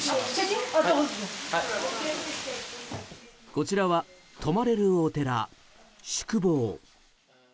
こちらは泊まれるお寺、宿坊。